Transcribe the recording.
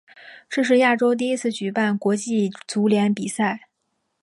这是亚洲第一次举办国际足联比赛。